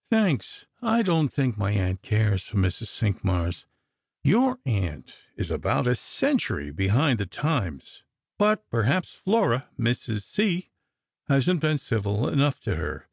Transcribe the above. " Thanks. 1 don't think my aunt cares for Mrs. Cinqmars." "You aunt is about a century behind the times; but per haps Flora — Mrs. C. — hasn't been civil enough to her.